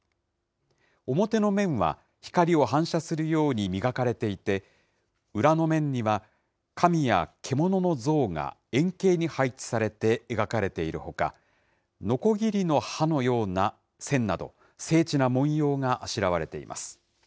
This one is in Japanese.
表の面は光を反射するように磨かれていて、裏の面には神や獣の像が円形に配置されて描かれているほか、のこぎりの歯のような線など、精緻な文様があしらわれています。